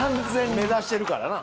目指してるからな。